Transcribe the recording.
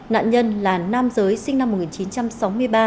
nạn nhân là nam giới sinh năm một nghìn chín trăm sáu mươi ba